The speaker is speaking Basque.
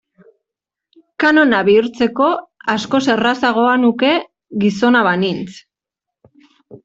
Kanona bihurtzeko askoz errazagoa nuke gizona banintz.